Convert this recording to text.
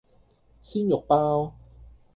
鮮肉包